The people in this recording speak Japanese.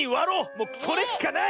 もうそれしかない！